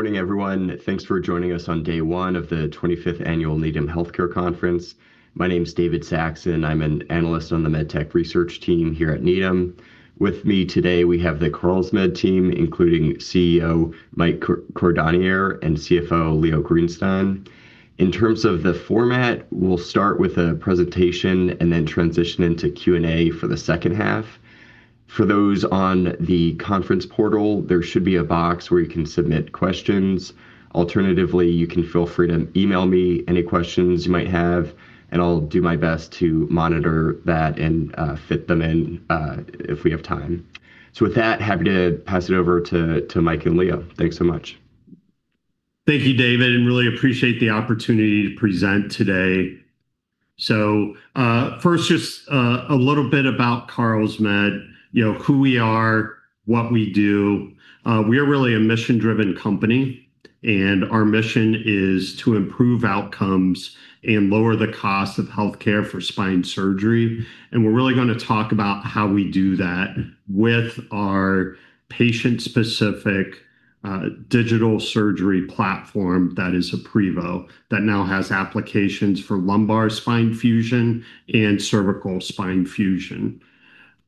Good morning, everyone. Thanks for joining us on day one of the 25th Annual Needham Healthcare Conference. My name's David Saxon. I'm an analyst on the med tech research team here at Needham. With me today, we have the Carlsmed team, including CEO, Mike Cordonnier, and CFO, Leo Greenstein. In terms of the format, we'll start with a presentation and then transition into Q&A for the second half. For those on the conference portal, there should be a box where you can submit questions. Alternatively, you can feel free to email me any questions you might have, and I'll do my best to monitor that and fit them in if we have time. With that, happy to pass it over to Mike and Leo. Thanks so much. Thank you, David, and really appreciate the opportunity to present today. First just a little bit about Carlsmed, who we are, what we do. We are really a mission-driven company, and our mission is to improve outcomes and lower the cost of healthcare for spine surgery. We're really going to talk about how we do that with our patient-specific digital surgery platform, that is Aprevo, that now has applications for lumbar spine fusion and cervical spine fusion.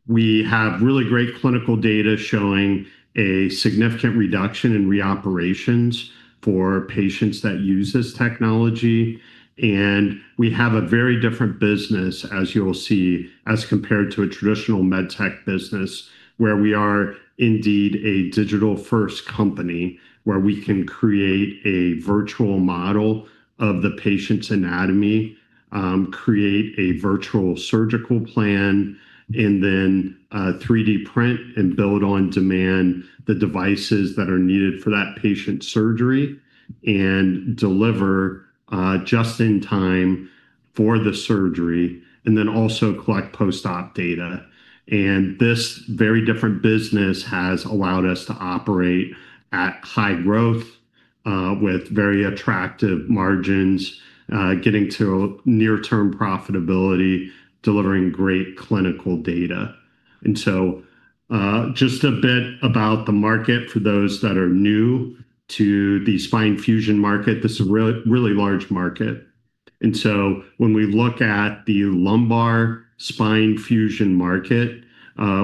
We have really great clinical data showing a significant reduction in reoperations for patients that use this technology, and we have a very different business, as you'll see, as compared to a traditional medtech business, where we are indeed a digital-first company, where we can create a virtual model of the patient's anatomy, create a virtual surgical plan, and then 3D print and build on-demand the devices that are needed for that patient's surgery and deliver just in time for the surgery, and then also collect post-op data. This very different business has allowed us to operate at high growth, with very attractive margins, getting to near-term profitability, delivering great clinical data. Just a bit about the market for those that are new to the spine fusion market. This is a really large market. When we look at the lumbar spine fusion market,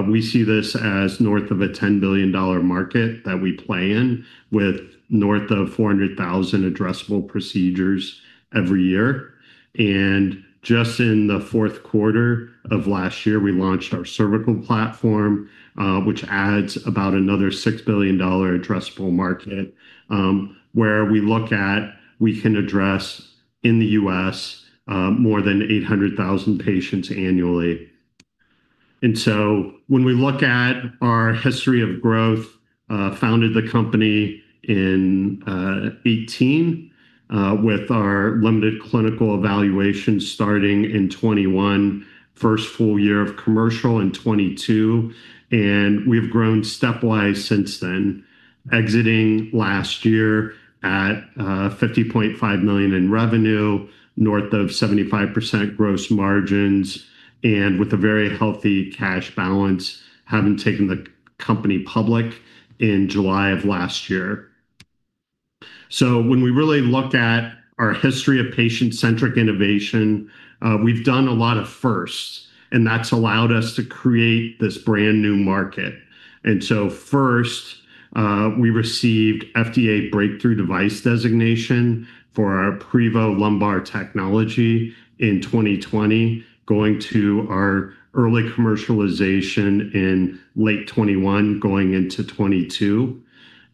we see this as north of a $10 billion market that we play in, with north of 400,000 addressable procedures every year. Just in the fourth quarter of last year, we launched our cervical platform, which adds about another $6 billion addressable market, where we look at, we can address in the U.S. more than 800,000 patients annually. When we look at our history of growth, founded the company in 2018 with our limited clinical evaluation starting in 2021, first full year of commercial in 2022, and we've grown stepwise since then, exiting last year at $50.5 million in revenue, north of 75% gross margins, and with a very healthy cash balance, having taken the company public in July of last year. When we really look at our history of patient-centric innovation, we've done a lot of firsts, and that's allowed us to create this brand new market. First, we received FDA Breakthrough Device designation for our Aprevo lumbar technology in 2020, going to our early commercialization in late 2021, going into 2022,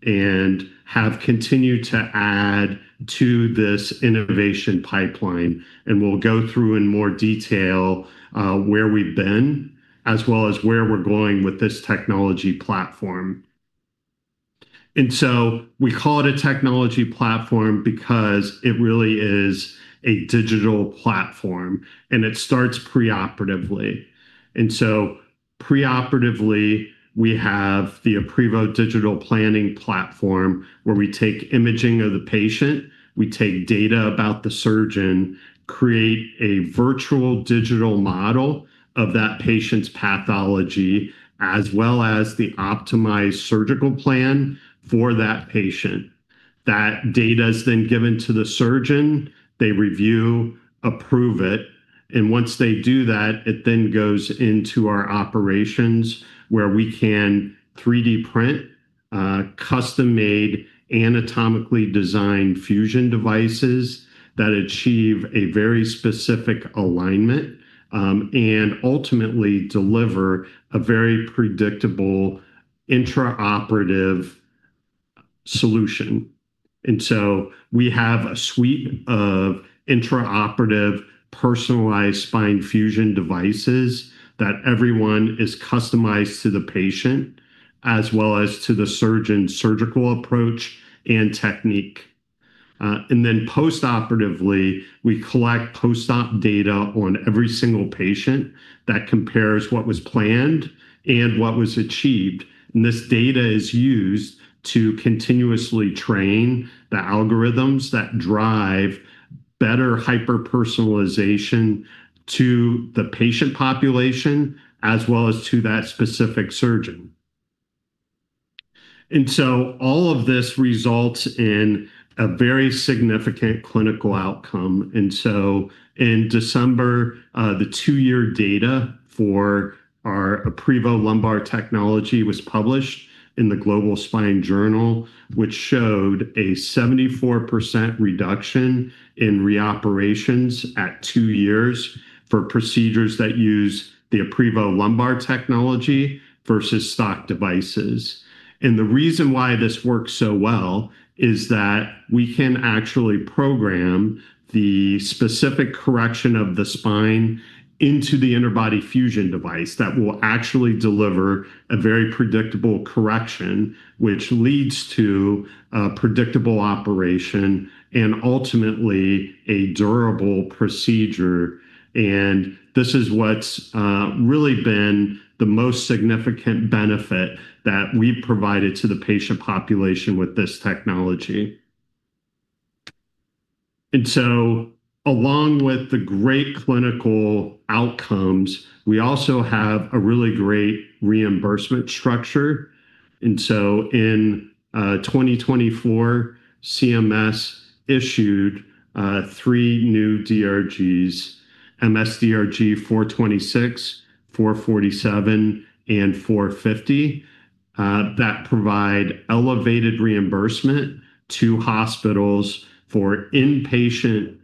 and have continued to add to this innovation pipeline. We'll go through in more detail where we've been, as well as where we're going with this technology platform. We call it a technology platform because it really is a digital platform, and it starts preoperatively. Preoperatively, we have the Aprevo digital planning platform, where we take imaging of the patient, we take data about the surgeon, create a virtual digital model of that patient's pathology, as well as the optimized surgical plan for that patient. That data is then given to the surgeon. They review, approve it, and once they do that, it then goes into our operations where we can 3D print custom-made, anatomically designed fusion devices that achieve a very specific alignment, and ultimately deliver a very predictable intraoperative solution. And so we have a suite of intraoperative personalized spine fusion devices that every one is customized to the patient, as well as to the surgeon's surgical approach and technique. And then postoperatively, we collect post-op data on every single patient that compares what was planned and what was achieved, and this data is used to continuously train the algorithms that drive better hyper-personalization to the patient population as well as to that specific surgeon. And so all of this results in a very significant clinical outcome. In December, the two-year data for our Aprevo lumbar technology was published in the Global Spine Journal, which showed a 74% reduction in reoperations at two years for procedures that use the Aprevo lumbar technology versus stock devices. The reason why this works so well is that we can actually program the specific correction of the spine into the interbody fusion device that will actually deliver a very predictable correction, which leads to a predictable operation and ultimately a durable procedure. This is what's really been the most significant benefit that we've provided to the patient population with this technology. Along with the great clinical outcomes, we also have a really great reimbursement structure. In 2024, CMS issued three new DRGs, MS-DRG 521, 522, and 523, that provide elevated reimbursement to hospitals for inpatient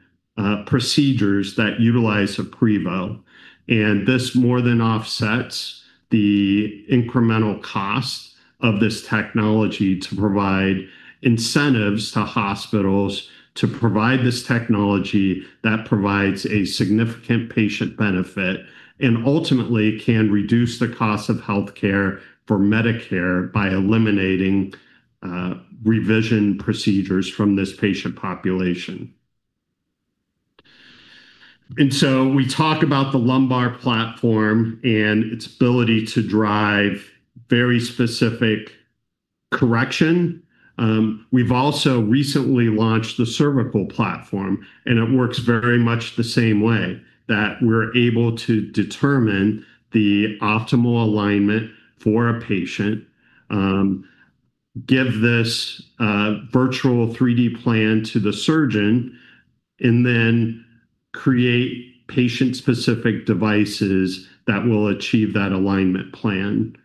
procedures that utilize Aprevo. This more than offsets the incremental cost of this technology to provide incentives to hospitals to provide this technology that provides a significant patient benefit, and ultimately can reduce the cost of healthcare for Medicare by eliminating revision procedures from this patient population. We talk about the lumbar platform and its ability to drive very specific correction. We've also recently launched the cervical platform, and it works very much the same way, that we're able to determine the optimal alignment for a patient, give this virtual 3D plan to the surgeon, and then create patient-specific devices that will achieve that alignment plan.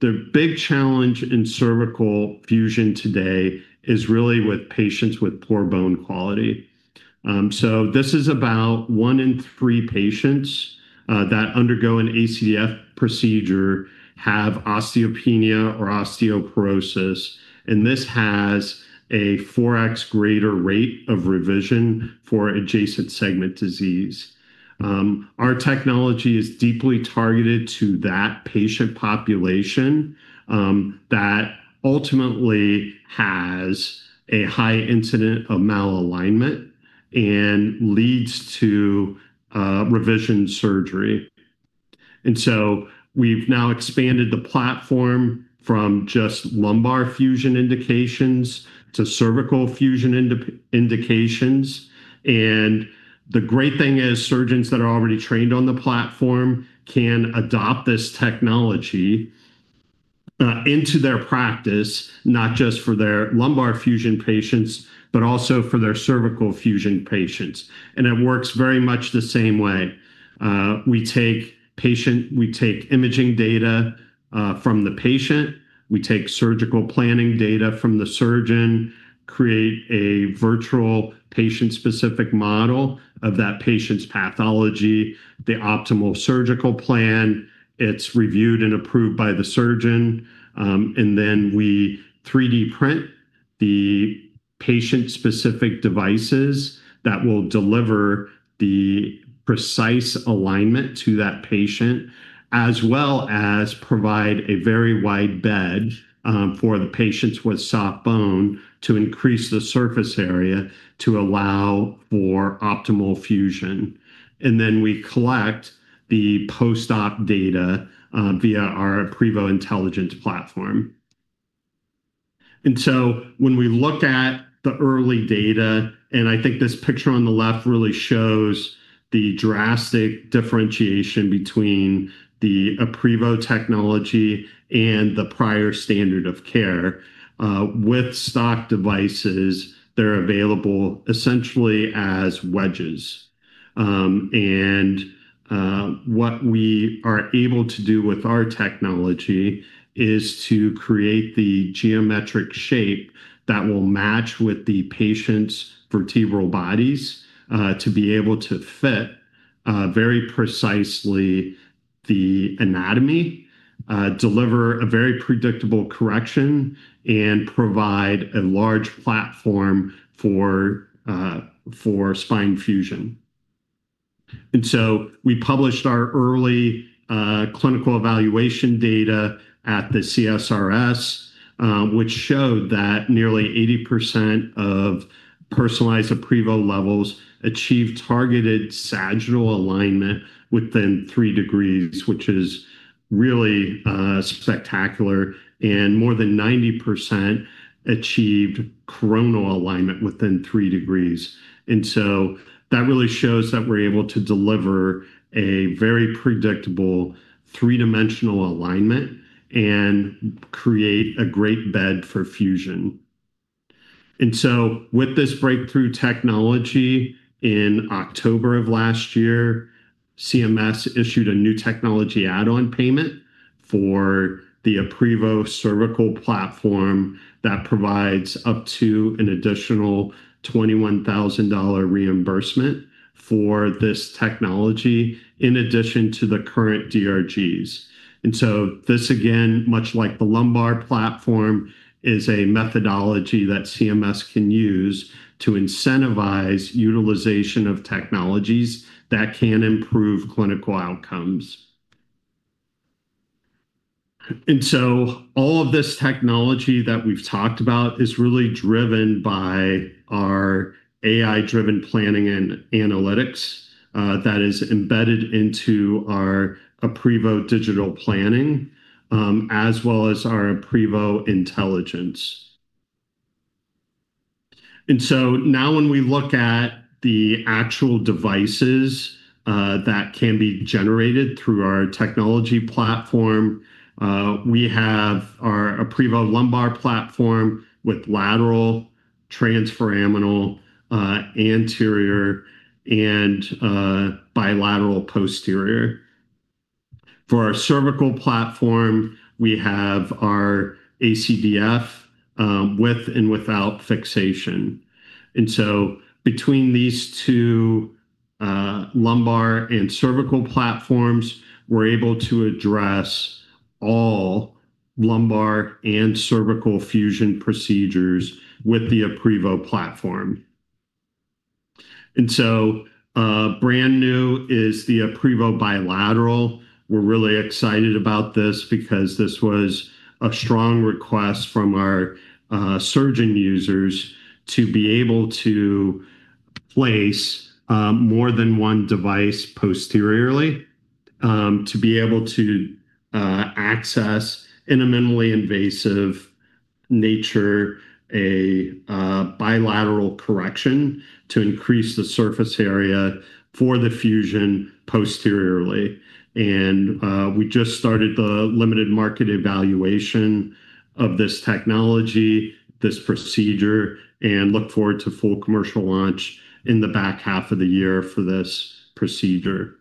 The big challenge in cervical fusion today is really with patients with poor bone quality. This is about one in three patients that undergo an ACDF procedure have osteopenia or osteoporosis, and this has a 4x greater rate of revision for adjacent segment disease. Our technology is deeply targeted to that patient population that ultimately has a high incidence of malalignment and leads to revision surgery. We've now expanded the platform from just lumbar fusion indications to cervical fusion indications. The great thing is surgeons that are already trained on the platform can adopt this technology into their practice, not just for their lumbar fusion patients, but also for their cervical fusion patients. It works very much the same way. We take imaging data from the patient, we take surgical planning data from the surgeon, create a virtual patient-specific model of that patient's pathology, the optimal surgical plan. It's reviewed and approved by the surgeon, and then we 3D print the patient-specific devices that will deliver the precise alignment to that patient, as well as provide a very wide bed for the patients with soft bone to increase the surface area to allow for optimal fusion. We collect the post-op data via our Aprevo Intelligence platform. When we look at the early data, and I think this picture on the left really shows the drastic differentiation between the Aprevo technology and the prior standard of care. With stock devices, they're available essentially as wedges. What we are able to do with our technology is to create the geometric shape that will match with the patient's vertebral bodies to be able to fit very precisely the anatomy, deliver a very predictable correction, and provide a large platform for spine fusion. We published our early clinical evaluation data at the CSRS, which showed that nearly 80% of personalized Aprevo levels achieve targeted sagittal alignment within three degrees, which is really spectacular, and more than 90% achieved coronal alignment within three degrees. That really shows that we're able to deliver a very predictable three-dimensional alignment and create a great bed for fusion. With this breakthrough technology, in October of last year, CMS issued a New Technology Add-on Payment for the Aprevo cervical platform that provides up to an additional $21,000 reimbursement for this technology, in addition to the current DRGs. This, again, much like the lumbar platform, is a methodology that CMS can use to incentivize utilization of technologies that can improve clinical outcomes. All of this technology that we've talked about is really driven by our AI-driven planning and analytics that is embedded into our Aprevo digital planning as well as our Aprevo Intelligence. Now when we look at the actual devices that can be generated through our technology platform, we have our Aprevo lumbar platform with lateral transforaminal, anterior, and bilateral posterior. For our cervical platform, we have our ACDF with and without fixation. Between these two lumbar and cervical platforms, we're able to address all lumbar and cervical fusion procedures with the Aprevo platform. Brand new is the Aprevo bilateral. We're really excited about this because this was a strong request from our surgeon users to be able to place more than one device posteriorly to be able to access in a minimally invasive nature, a bilateral correction to increase the surface area for the fusion posteriorly. We just started the limited market evaluation of this technology, this procedure, and look forward to full commercial launch in the back half of the year for this procedure.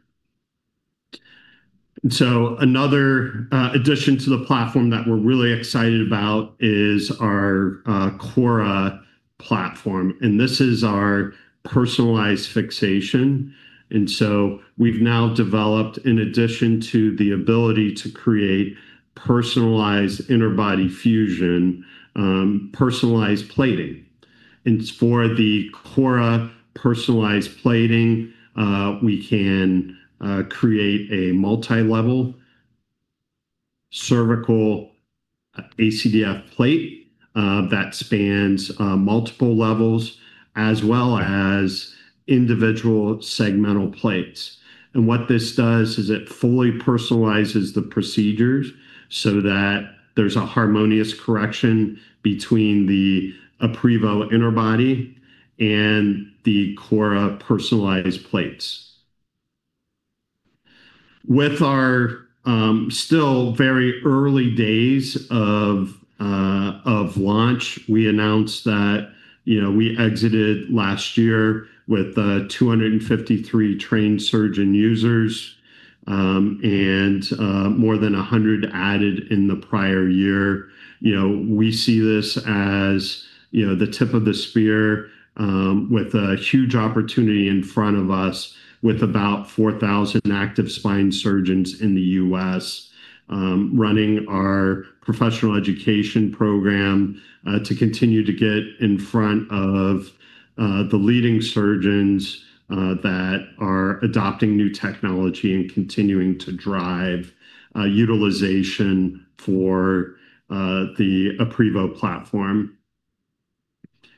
Another addition to the platform that we're really excited about is our Corra platform, and this is our personalized fixation. We've now developed, in addition to the ability to create personalized interbody fusion, personalized plating. For the Corra personalized plating, we can create a multilevel cervical ACDF plate that spans multiple levels as well as individual segmental plates. What this does is it fully personalizes the procedures so that there's a harmonious correction between the Aprevo interbody and the Corra personalized plates. With our still very early days of launch, we announced that we exited last year with 253 trained surgeon users and more than 100 added in the prior year. We see this as the tip of the spear with a huge opportunity in front of us with about 4,000 active spine surgeons in the U.S. running our professional education program to continue to get in front of the leading surgeons that are adopting new technology and continuing to drive utilization for the Aprevo platform.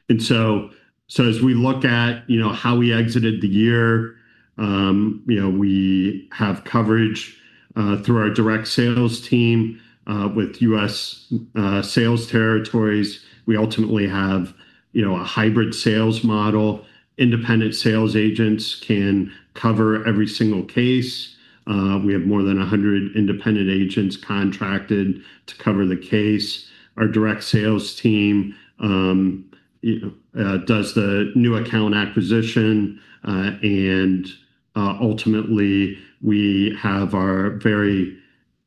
As we look at how we exited the year, we have coverage through our direct sales team with U.S. sales territories. We ultimately have a hybrid sales model. Independent sales agents can cover every single case. We have more than 100 independent agents contracted to cover the case. Our direct sales team does the new account acquisition. Ultimately we have our very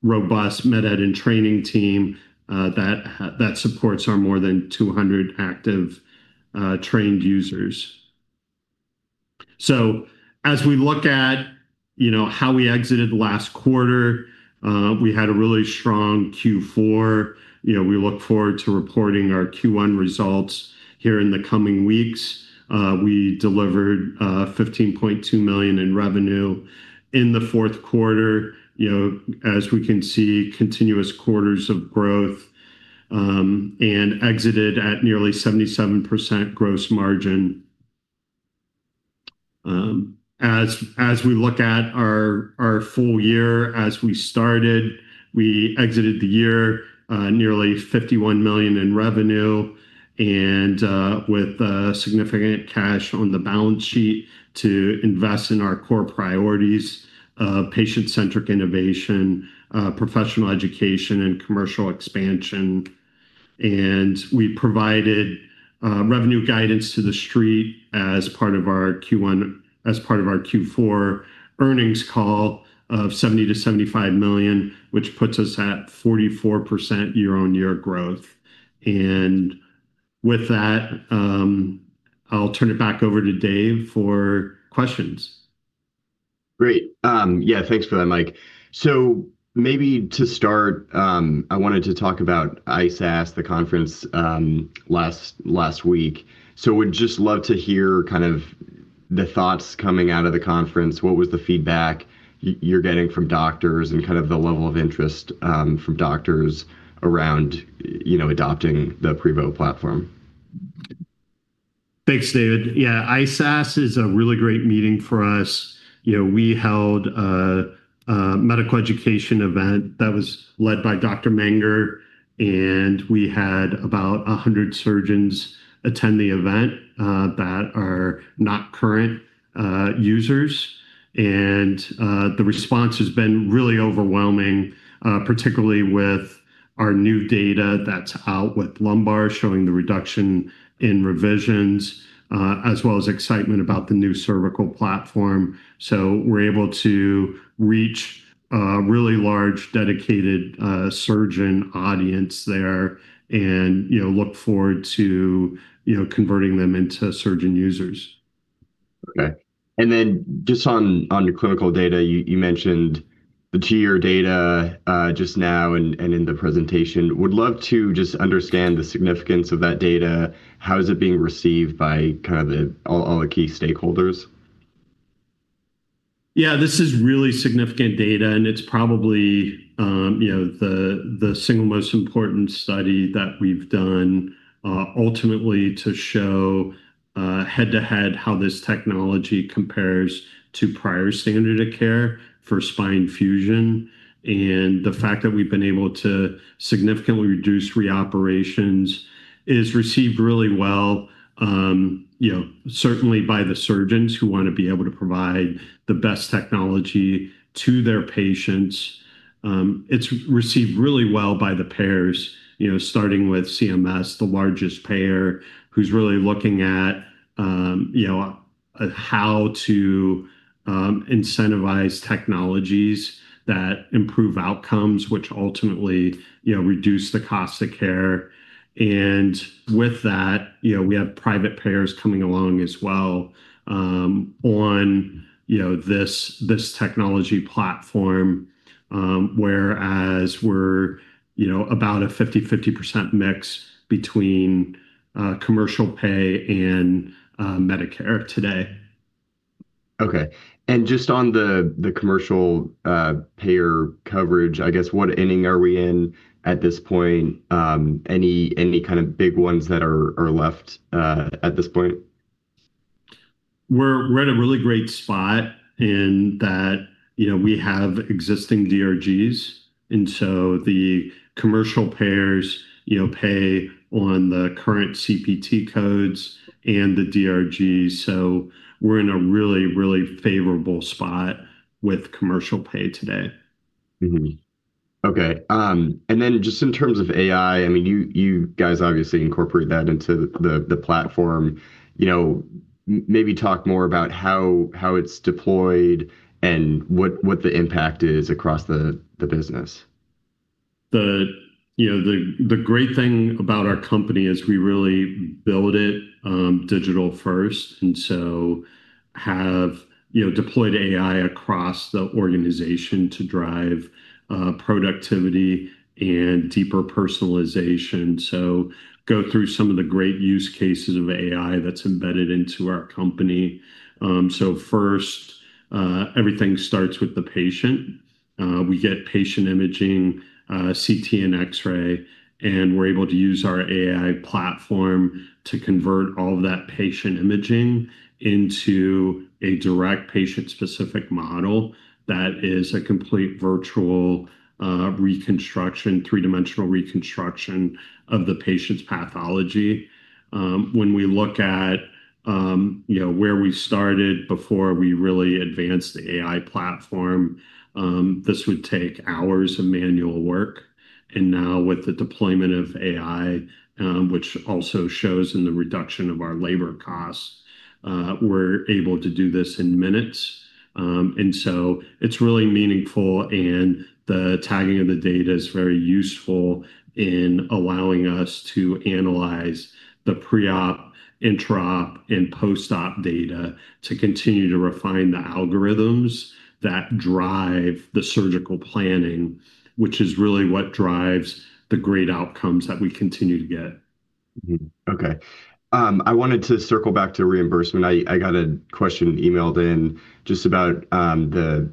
robust Med Ed and training team that supports our more than 200 active trained users. As we look at how we exited last quarter, we had a really strong Q4. We look forward to reporting our Q1 results here in the coming weeks. We delivered $15.2 million in revenue in the fourth quarter, as we can see, continuous quarters of growth, and exited at nearly 77% gross margin. As we look at our full year as we started, we exited the year nearly $51 million in revenue and with significant cash on the balance sheet to invest in our core priorities of patient-centric innovation, professional education and commercial expansion. We provided revenue guidance to the street as part of our Q4 earnings call of $70 million-$75 million, which puts us at 44% year-on-year growth. With that, I'll turn it back over to Dave for questions. Great. Yeah, thanks for that, Mike. Maybe to start, I wanted to talk about ISASS, the conference last week. I would just love to hear kind of the thoughts coming out of the conference. What was the feedback you're getting from doctors and kind of the level of interest from doctors around adopting the Aprevo platform? Thanks, David. Yeah, ISASS is a really great meeting for us. We held a medical education event that was led by Richard Menger, and we had about 100 surgeons attend the event that are not current users. The response has been really overwhelming, particularly with our new data that's out with lumbar showing the reduction in revisions, as well as excitement about the new cervical platform. We're able to reach a really large, dedicated surgeon audience there and look forward to converting them into surgeon users. Okay. Just on your clinical data, you mentioned the two-year data just now and in the presentation. I would love to just understand the significance of that data. How is it being received by kind of all the key stakeholders? Yeah, this is really significant data, and it's probably the single most important study that we've done, ultimately to show head-to-head how this technology compares to prior standard of care for spine fusion. The fact that we've been able to significantly reduce reoperations is received really well, certainly by the surgeons who want to be able to provide the best technology to their patients. It's received really well by the payers, starting with CMS, the largest payer, who's really looking at how to incentivize technologies that improve outcomes which ultimately reduce the cost of care. With that, we have private payers coming along as well on this technology platform, whereas we're about a 50/50% mix between commercial pay and Medicare today. Okay. Just on the commercial payer coverage, I guess, what inning are we in at this point? Any kind of big ones that are left at this point? We're at a really great spot in that we have existing DRGs, and so the commercial payers pay on the current CPT codes and the DRG. We're in a really favorable spot with commercial pay today. Mm-hmm. Okay. Just in terms of AI, I mean, you guys obviously incorporate that into the platform. Maybe talk more about how it's deployed and what the impact is across the business. The great thing about our company is we really build it digital first, and so have deployed AI across the organization to drive productivity and deeper personalization. Go through some of the great use cases of AI that's embedded into our company. First, everything starts with the patient. We get patient imaging, CT, and X-ray, and we're able to use our AI platform to convert all of that patient imaging into a direct patient-specific model that is a complete virtual reconstruction, three-dimensional reconstruction of the patient's pathology. When we look at where we started before we really advanced the AI platform, this would take hours of manual work. Now with the deployment of AI, which also shows in the reduction of our labor costs, we're able to do this in minutes. It's really meaningful, and the tagging of the data is very useful in allowing us to analyze the pre-op, intra-op, and post-op data to continue to refine the algorithms that drive the surgical planning, which is really what drives the great outcomes that we continue to get. Mm-hmm. Okay. I wanted to circle back to reimbursement. I got a question emailed in just about the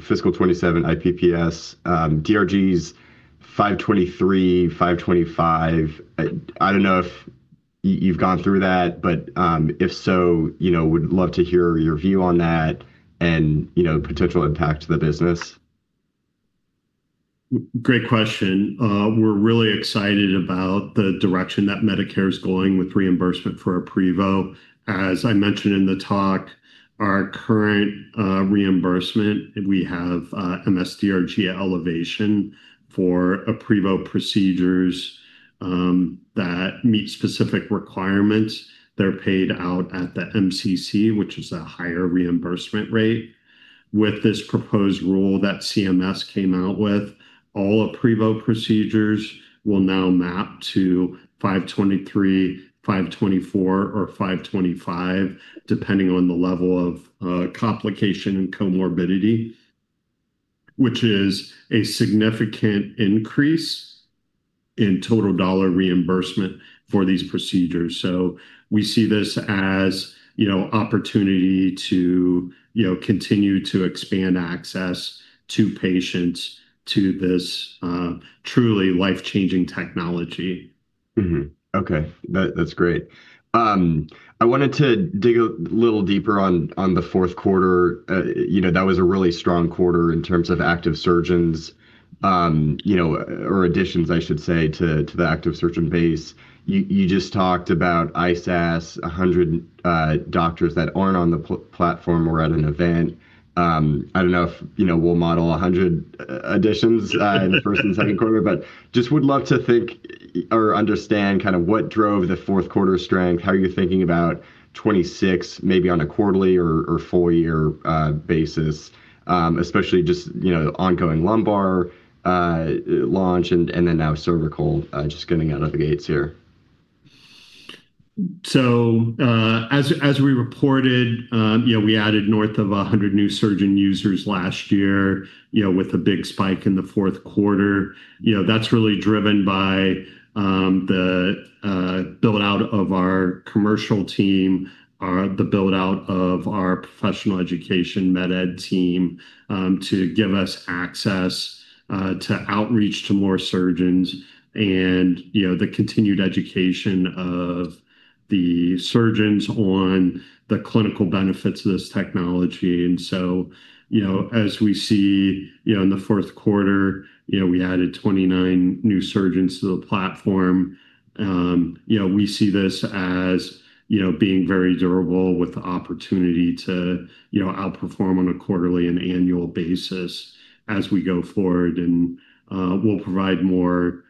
fiscal 2025 IPPS DRGs 523, 525. I don't know if you've gone through that, but if so, I would love to hear your view on that and potential impact to the business. Great question. We're really excited about the direction that Medicare is going with reimbursement for Aprevo. As I mentioned in the talk, our current reimbursement, we have MS-DRG elevation for Aprevo procedures that meet specific requirements that are paid out at the MCC, which is a higher reimbursement rate. With this proposed rule that CMS came out with, all Aprevo procedures will now map to 523, 524, or 525, depending on the level of complication and comorbidity, which is a significant increase in total dollar reimbursement for these procedures. We see this as opportunity to continue to expand access to patients to this truly life-changing technology. Okay. That's great. I wanted to dig a little deeper on the fourth quarter. That was a really strong quarter in terms of active surgeons, or additions, I should say, to the active surgeon base. You just talked about ISASS, 100 doctors that aren't on the platform or at an event. I don't know if we'll model 100 additions in the first and second quarter, but I just would love to think or understand what drove the fourth quarter strength, how you're thinking about 2026 maybe on a quarterly or full year basis, especially just the ongoing lumbar launch and then now cervical just getting out of the gates here. As we reported, we added north of 100 new surgeon users last year, with a big spike in the fourth quarter. That's really driven by the build-out of our commercial team, the build-out of our professional education med-ed team, to give us access to outreach to more surgeons, and the continued education of the surgeons on the clinical benefits of this technology. As we see, in the fourth quarter, we added 29 new surgeons to the platform. We see this as being very durable with the opportunity to outperform on a quarterly and annual basis as we go forward. We'll provide more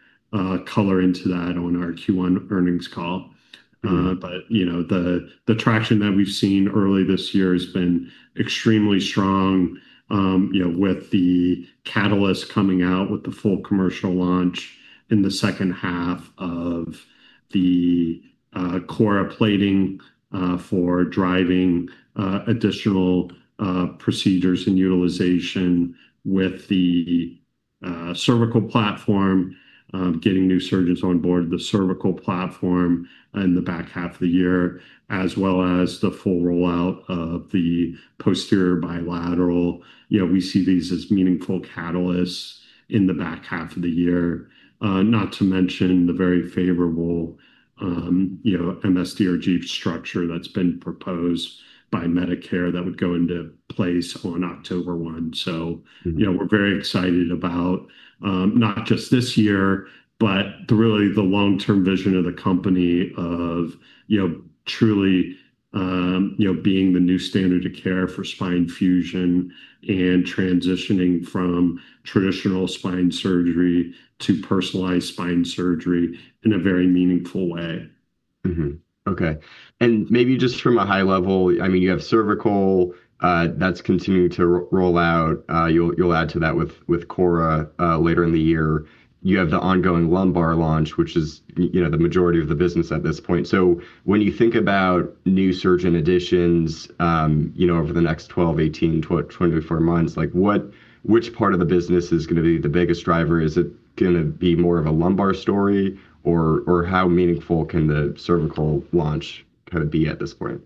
color into that on our Q1 earnings call. Mm-hmm. The traction that we've seen early this year has been extremely strong, with the catalyst coming out with the full commercial launch in the second half of the Corra plating for driving additional procedures and utilization with the cervical platform, getting new surgeons on board the cervical platform in the back half of the year, as well as the full rollout of the posterior bilateral. We see these as meaningful catalysts in the back half of the year, not to mention the very favorable MS-DRG structure that's been proposed by Medicare that would go into place on October 1. Mm-hmm We're very excited about not just this year, but really the long-term vision of the company of truly being the new standard of care for spine fusion and transitioning from traditional spine surgery to personalized spine surgery in a very meaningful way. Mm-hmm. Okay. Maybe just from a high level, you have cervical that's continuing to roll out. You'll add to that with Corra later in the year. You have the ongoing lumbar launch, which is the majority of the business at this point. When you think about new surgeon additions over the next 12, 18-24 months, which part of the business is going to be the biggest driver? Is it going to be more of a lumbar story, or how meaningful can the cervical launch be at this point?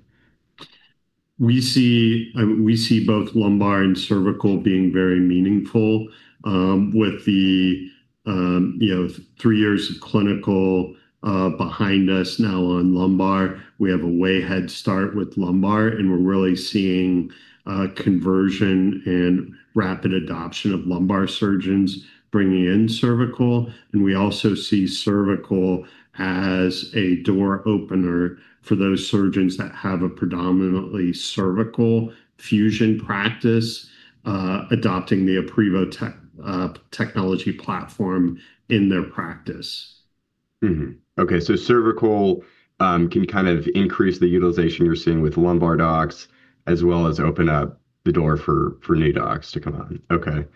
We see both lumbar and cervical being very meaningful. With the three years of clinical behind us now on lumbar, we have a way head start with lumbar, and we're really seeing conversion and rapid adoption of lumbar surgeons bringing in cervical. We also see cervical as a door opener for those surgeons that have a predominantly cervical fusion practice, adopting the Aprevo technology platform in their practice. Okay, cervical can increase the utilization you're seeing with lumbar docs as well as open up the door for new docs to come on. Okay.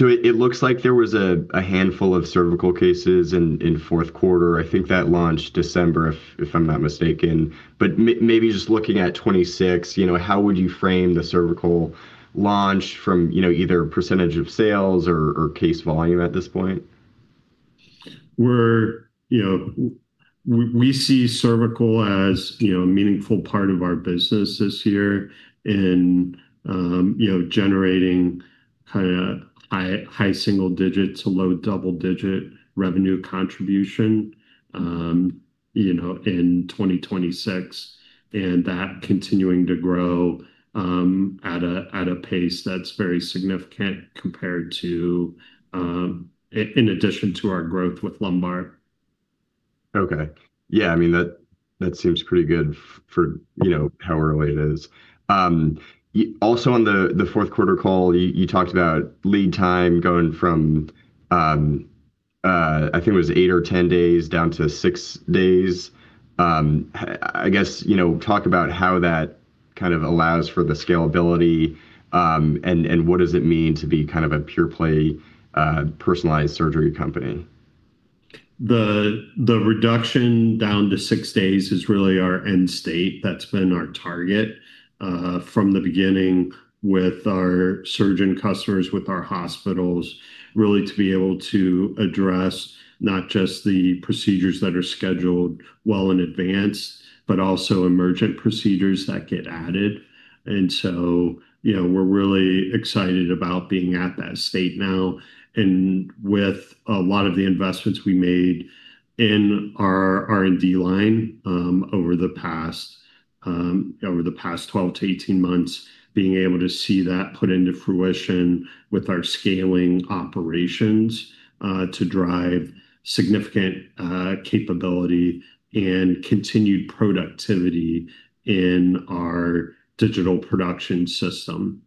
It looks like there was a handful of cervical cases in fourth quarter. I think that launched December, if I'm not mistaken. Maybe just looking at 2026, how would you frame the cervical launch from either percentage of sales or case volume at this point? We see cervical as a meaningful part of our business this year in generating high single-digit to low double-digit revenue contribution in 2026, and that continuing to grow at a pace that's very significant compared to, in addition to our growth with lumbar. Okay. Yeah, that seems pretty good for how early it is. Also, on the fourth quarter call, you talked about lead time going from, I think it was, eight or 10 days down to six days. Talk about how that kind of allows for the scalability. What does it mean to be kind of a pure play personalized surgery company? The reduction down to six days is really our end state. That's been our target from the beginning with our surgeon customers, with our hospitals, really to be able to address not just the procedures that are scheduled well in advance, but also emergent procedures that get added. We're really excited about being at that state now, with a lot of the investments we made in our R&D line over the past 12-18 months, being able to see that put into fruition with our scaling operations to drive significant capability and continued productivity in our digital production system.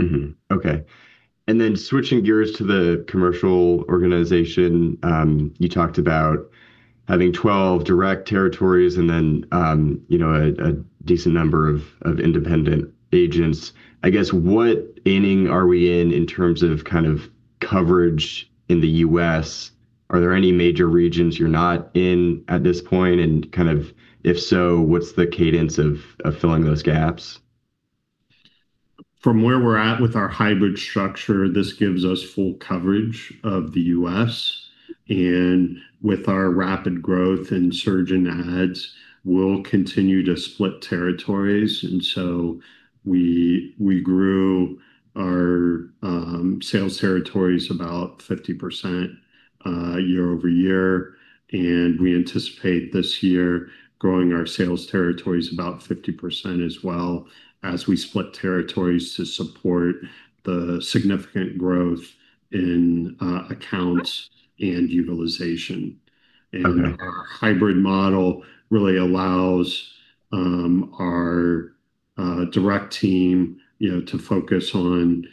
Mm-hmm. Okay. Switching gears to the commercial organization. You talked about having 12 direct territories and then a decent number of independent agents. What inning are we in terms of coverage in the U.S.? Are there any major regions you're not in at this point, and if so, what's the cadence of filling those gaps? From where we're at with our hybrid structure, this gives us full coverage of the U.S. With our rapid growth in surgeon adds, we'll continue to split territories. We grew our sales territories about 50% year-over-year, and we anticipate this year growing our sales territories about 50% as well as we split territories to support the significant growth in accounts and utilization. Okay. Our hybrid model really allows our direct team to focus on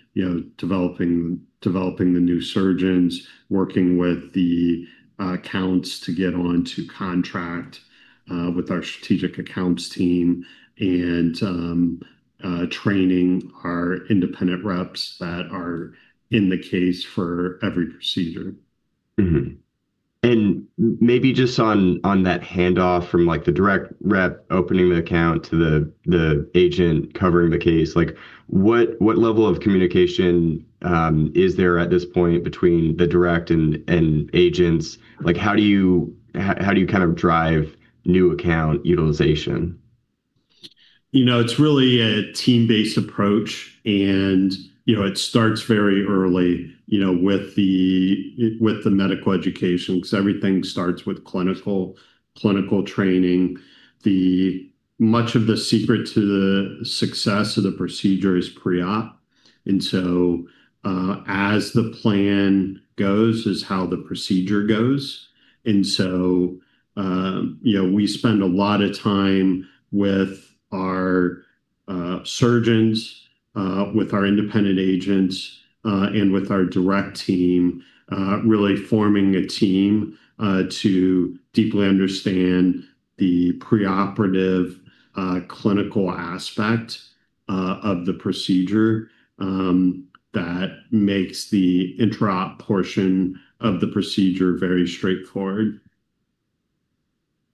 developing the new surgeons, working with the accounts to get onto contract with our strategic accounts team, and training our independent reps that are in the case for every procedure. Mm-hmm. Maybe just on that handoff from the direct rep opening the account to the agent covering the case, what level of communication is there at this point between the direct and agents? How do you kind of drive new account utilization? It's really a team-based approach, and it starts very early, with the medical education, because everything starts with clinical training. Much of the secret to the success of the procedure is pre-op. As the plan goes is how the procedure goes. We spend a lot of time with our surgeons, with our independent agents, and with our direct team, really forming a team to deeply understand the preoperative clinical aspect of the procedure that makes the intraop portion of the procedure very straightforward.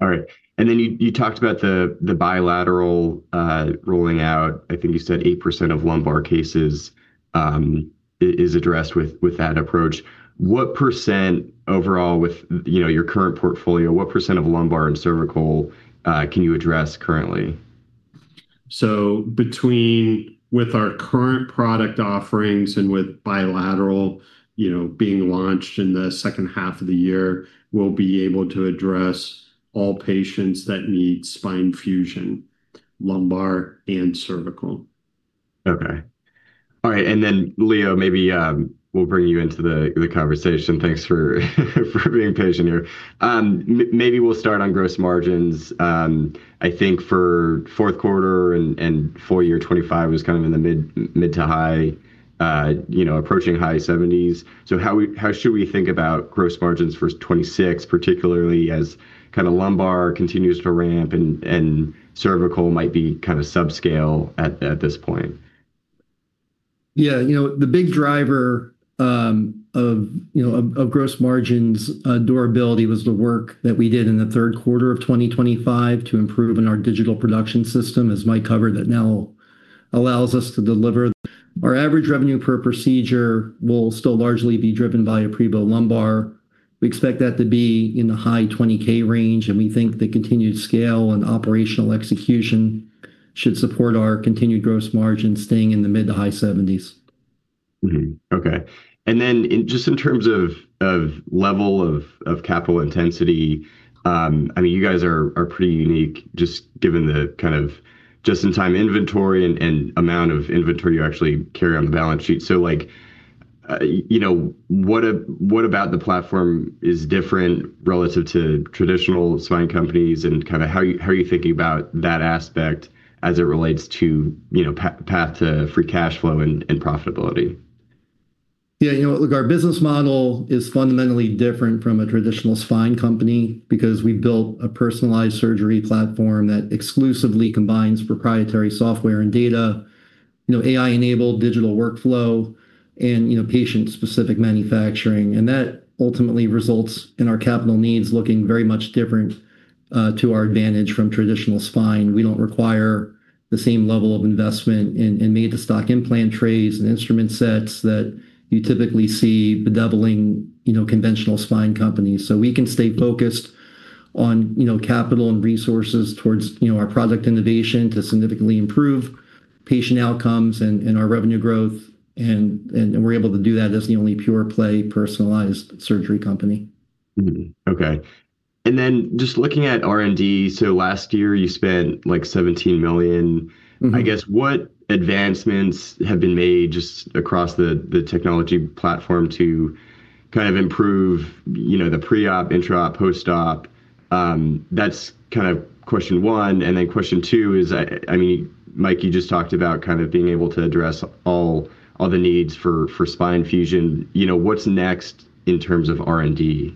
All right. You talked about the bilateral rolling out, I think you said 8% of lumbar cases is addressed with that approach. What percent overall with your current portfolio of lumbar and cervical can you address currently? With our current product offerings and with bilateral being launched in the second half of the year, we'll be able to address all patients that need spine fusion, lumbar and cervical. Okay. All right. Leo, maybe we'll bring you into the conversation. Thanks for being patient here. Maybe we'll start on gross margins. I think for fourth quarter and full year 2025 was kind of in the mid to high, approaching high 70%s. How should we think about gross margins for 2026, particularly as kind of lumbar continues to ramp and cervical might be kind of subscale at this point? Yeah. The big driver of gross margins durability was the work that we did in the third quarter of 2025 to improve in our digital production system, as Mike covered, that now allows us to deliver. Our average revenue per procedure will still largely be driven by Aprevo lumbar. We expect that to be in the high $20,000 range, and we think the continued scale and operational execution should support our continued gross margin staying in the mid to high 70%s. Mm-hmm. Okay. Just in terms of level of capital intensity, you guys are pretty unique just given the kind of just-in-time inventory and amount of inventory you actually carry on the balance sheet. Like what about the platform is different relative to traditional spine companies, and kind of how are you thinking about that aspect as it relates to path to free cash flow and profitability? Yeah. Look, our business model is fundamentally different from a traditional spine company because we built a personalized surgery platform that exclusively combines proprietary software and data, AI-enabled digital workflow and patient-specific manufacturing. That ultimately results in our capital needs looking very much different to our advantage from traditional spine. We don't require the same level of investment in made-to-stock implant trays and instrument sets that you typically see bedeviling conventional spine companies. We can stay focused on capital and resources towards our product innovation to significantly improve patient outcomes and our revenue growth, and we're able to do that as the only pure-play personalized surgery company. Mm-hmm. Okay. Just looking at R&D, last year you spent like $17 million. Mm-hmm. I guess, what advancements have been made just across the technology platform to kind of improve the pre-op, intra-op, post-op? That's kind of question one. Question two is, Mike, you just talked about kind of being able to address all the needs for spine fusion. What's next in terms of R&D?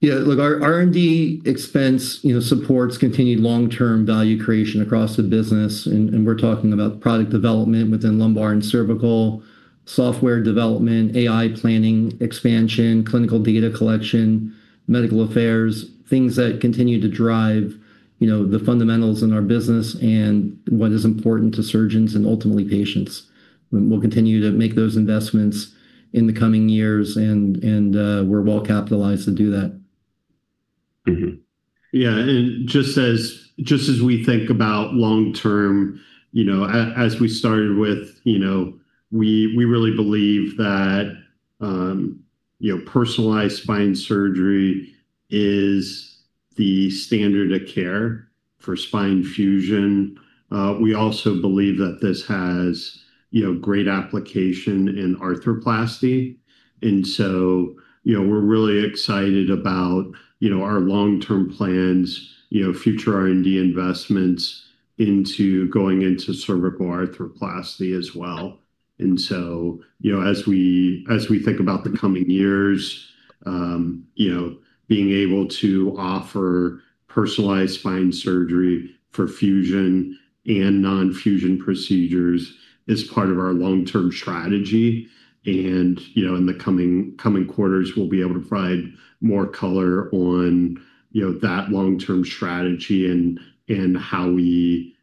Yeah, look, our R&D expense supports continued long-term value creation across the business. We're talking about product development within lumbar and cervical software development, AI planning, expansion, clinical data collection, medical affairs, things that continue to drive the fundamentals in our business and what is important to surgeons and ultimately patients. We'll continue to make those investments in the coming years, and we're well capitalized to do that. Mm-hmm. Yeah. Just as we think about long-term, as we started with, we really believe that personalized spine surgery is the standard of care for spine fusion. We also believe that this has great application in arthroplasty, and so we're really excited about our long-term plans, future R&D investments into going into cervical arthroplasty as well. As we think about the coming years, being able to offer personalized spine surgery for fusion and non-fusion procedures is part of our long-term strategy. In the coming quarters, we'll be able to provide more color on that long-term strategy and how we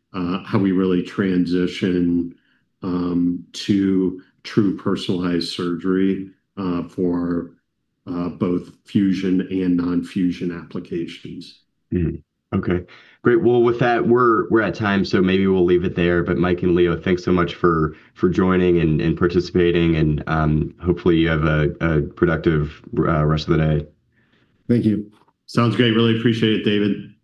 really transition to true personalized surgery for both fusion and non-fusion applications. Mm-hmm. Okay. Great. Well, with that, we're at time, so maybe we'll leave it there. Mike and Leo, thanks so much for joining and participating and hopefully you have a productive rest of the day. Thank you. Sounds great. Really appreciate it, David.